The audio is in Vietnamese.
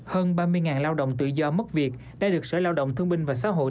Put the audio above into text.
hơn ba mươi lao động tự do mất việc đã được sở lao động thương binh và xã hội